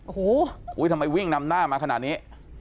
โอ้โหทำไมวิ่งนำหน้ามาขนาดนี้